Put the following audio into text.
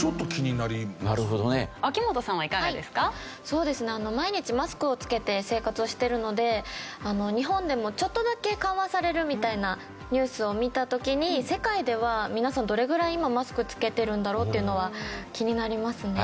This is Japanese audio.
そうですね毎日マスクを着けて生活をしてるので日本でもちょっとだけ緩和されるみたいなニュースを見た時に世界では皆さんどれぐらい今マスク着けてるんだろうっていうのは気になりますね。